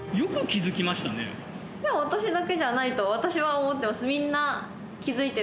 いや私だけじゃないと私は思ってます。